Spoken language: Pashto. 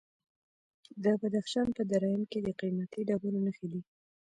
د بدخشان په درایم کې د قیمتي ډبرو نښې دي.